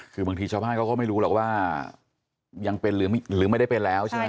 คือบางทีชาวบ้านเขาก็ไม่รู้หรอกว่ายังเป็นหรือไม่ได้เป็นแล้วใช่ไหม